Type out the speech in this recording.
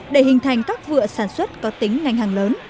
để hình thành các vựa sản xuất có tính ngành hàng lớn